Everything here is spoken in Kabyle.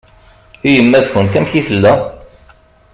I yemma-tkent amek i tella?